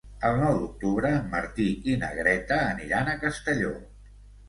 El nou d'octubre en Martí i na Greta aniran a Castelló.